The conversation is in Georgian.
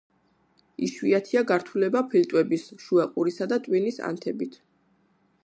იშვიათია გართულება ფილტვების, შუა ყურისა და ტვინის ანთებით.